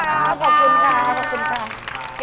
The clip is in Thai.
ขอบคุณค่ะ